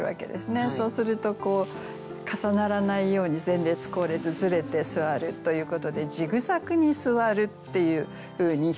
そうすると重ならないように前列後列ずれて座るということで「ジグザグに座る」っていうふうに表現できた。